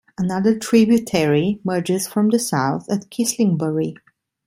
Another tributary merges from the south at Kislingbury.